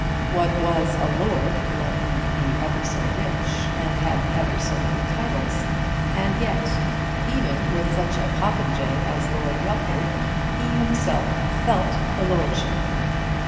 What was a lord, let him be ever so rich and have ever so many titles? And yet, even with such a popinjay as Lord Rufford, he himself felt the lordship.